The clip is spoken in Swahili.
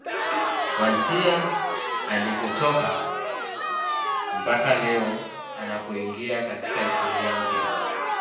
Kuanzia alikotoka mpaka leo anapoingia katika historia mpya